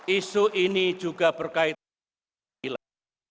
isu ini juga berkaitan dengan keadilan